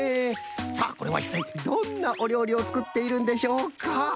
さあこれはいったいどんなおりょうりをつくっているんでしょうか？